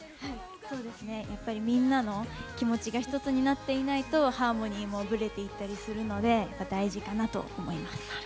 やっぱり、みんなの気持ちが１つになっていないとハーモニーもぶれていったりするので、大事かなと思います。